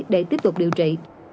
để tiếp tục điều trị